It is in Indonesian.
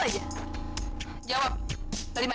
kau bawa timah